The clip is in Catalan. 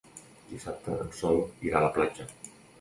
Dissabte en Sol irà a la platja.